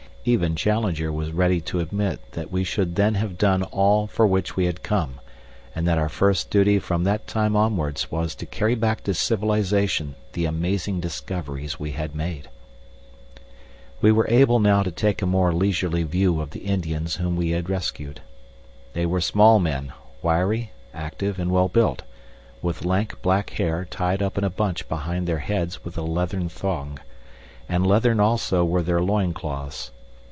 Even Challenger was ready to admit that we should then have done all for which we had come, and that our first duty from that time onwards was to carry back to civilization the amazing discoveries we had made. We were able now to take a more leisurely view of the Indians whom we had rescued. They were small men, wiry, active, and well built, with lank black hair tied up in a bunch behind their heads with a leathern thong, and leathern also were their loin clothes.